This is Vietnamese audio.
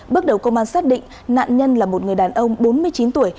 bước đầu công an xác định nạn nhân là một người đàn ông bốn mươi chín tuổi